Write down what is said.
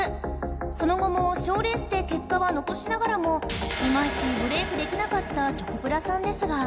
その後も賞レースで結果は残しながらもいまいちブレイクできなかったチョコプラさんですが